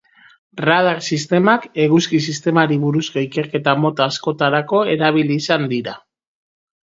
Radar sistemak Eguzki-sistemari buruzko ikerketa mota askotarako erabili izan dira.